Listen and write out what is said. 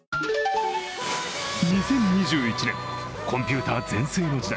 ２０２１年、コンピューター全盛の時代